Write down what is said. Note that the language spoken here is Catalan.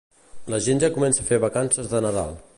La gent ja comença a fer vacances de Nadal